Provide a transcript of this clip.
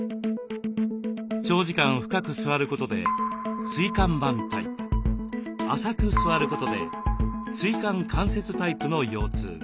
長時間深く座ることで「椎間板タイプ」浅く座ることで「椎間関節タイプ」の腰痛が。